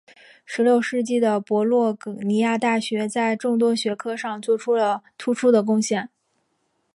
十六世纪的博洛尼亚大学在众多学科上做出了突出的贡献。